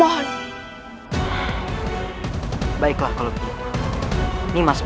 eh teteh mau nanti mana